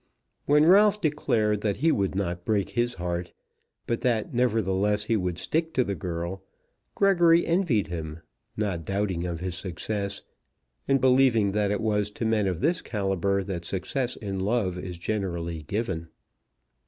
When Ralph declared that he would not break his heart, but that, nevertheless, he would stick to the girl, Gregory envied him, not doubting of his success, and believing that it was to men of this calibre that success in love is generally given.